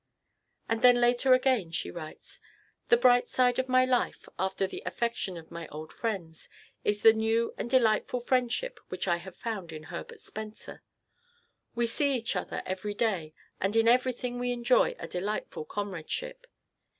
And then later she again writes: "The bright side of my life, after the affection for my old friends, is the new and delightful friendship which I have found in Herbert Spencer. We see each other every day, and in everything we enjoy a delightful comradeship.